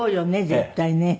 絶対ね。